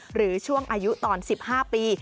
หรือช่วงอายุตอน๑๕ปี